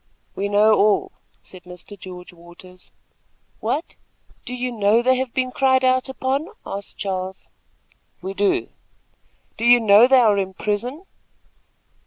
"We know all," said Mr. George Waters. "What! do you know they have been cried out upon?" asked Charles. "We do." "Do you know they are in prison?"